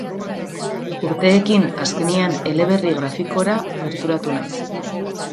Urteekin, azkenean, eleberri grafikora gerturatu naiz.